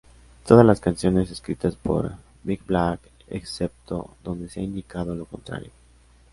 Todas las canciones escritas por Big Black, excepto donde sea indicado lo contrario.